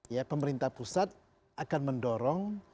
ya pemerintah pusat akan mendorong